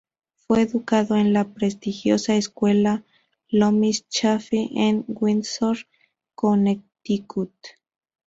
Fue educado en la prestigiosa escuela Loomis Chaffee en Windsor, Connecticut.